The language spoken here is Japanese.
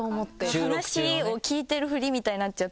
話を聞いてるふりみたいになっちゃうときあります。